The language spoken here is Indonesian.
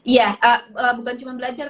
iya bukan cuma belajar